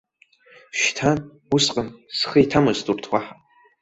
Шьҭа, усҟан, схы иҭамызт урҭ уаҳа.